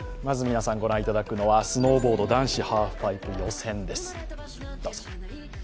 まず皆さん、ご覧いただくのはスノーボード男子ハーフパイプ予選です。